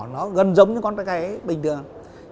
nó gần giống như con tay cái bình thường